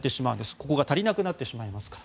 ここが足りなくなってしまいますから。